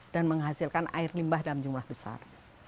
dan menghasilkan air limbah dalam jumlah besar